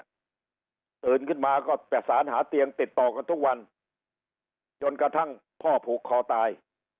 ตื่นขึ้นมาก็ประสานหาเตียงติดต่อกันทุกวันจนกระทั่งพ่อผูกคอตาย